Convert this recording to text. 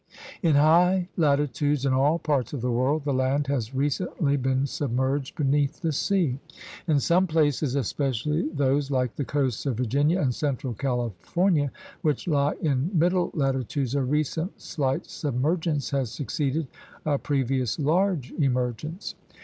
In high latitudes in all parts of the world the land has recently been submerged beneath the sea. 86 THE RED MAN'S CONTINENT In some places, especially those like the coasts of Virginia and central California which lie in middle latitudes, a recent slight submergence has succeeded a previous large emergence.